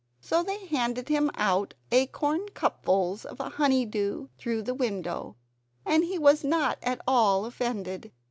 So they handed him out acorn cupfuls of honeydew through the window, and he was not at all offended.